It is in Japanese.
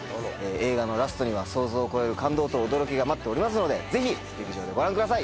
映画のラストには想像を超える感動と驚きが待っておりますのでぜひ劇場でご覧ください